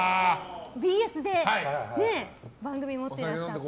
ＢＳで番組を持っていらっしゃって。